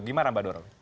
gimana mbak nurul